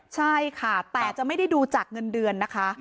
ใช่ค่ะแต่จะไม่ได้ดูจากเงินเดือนนะคะ